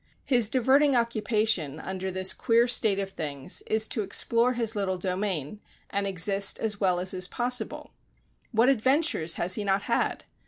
His diverting occupation, under this queer state of things, is to explore his little domain, and exist as well as is possible. What adventures has he not had!